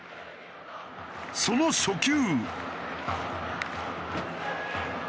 その初球。